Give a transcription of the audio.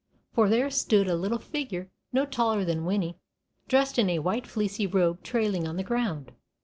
For there stood a little figure no taller than Winnie, dressed in a white fleecy robe trailing on the ground.